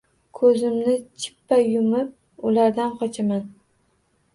Ko`zimni chippa yumib ulardan qochaman